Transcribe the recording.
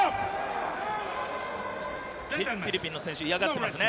フィリピンの選手、嫌がってますね。